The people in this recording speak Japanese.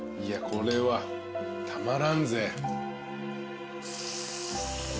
いやこれはたまらんぜ。